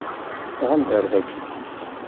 Uɣal-d ar daki.